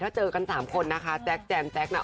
ถ้าเจอกัน๓คนนะคะแจ๊คแจมแจ๊คน่ะ